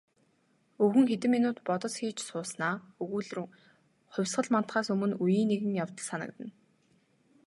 Өвгөн хэдэн минут бодос хийж сууснаа өгүүлрүүн "Хувьсгал мандахаас өмнө үеийн нэгэн явдал санагдана".